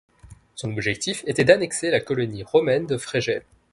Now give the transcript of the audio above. Son objectif était d'annexer la colonie romaine de Fregelles.